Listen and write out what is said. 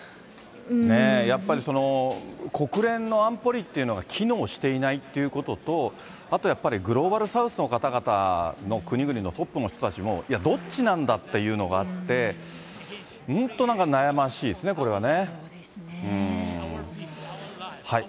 やっぱりその、国連の安保理っていうのが機能していないっていうことと、あとやっぱりグローバル・サウスの方々の国々のトップの人たちも、いや、どっちなんだっていうのがあって、本当なんか悩ましいですね、これはね。